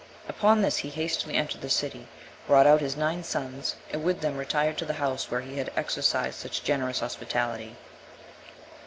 Upon this he hastily entered the city, brought out his nine sons, and with them retired to the house where he had exercised such generous hospitality.